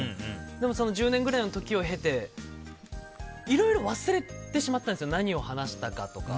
でも、１０年くらいの時を経ていろいろ忘れてしまったんです何を話したかとか。